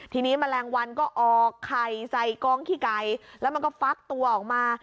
ทีนี้แมลงวันก็ออกไข่ใส่กองขี้ไก่แล้วมันก็ฟักตัวออกมา